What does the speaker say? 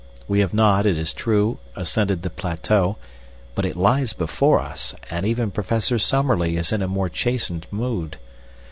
We have not, it is true, ascended the plateau, but it lies before us, and even Professor Summerlee is in a more chastened mood.